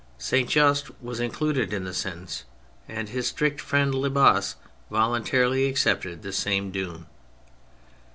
Saint Just was included in the sentence, and his strict friend Lebas volun tarily accepted the same doom.